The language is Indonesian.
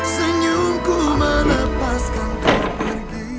senyumku menepaskan kau pergi